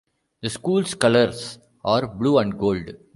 The school's colors are blue and gold.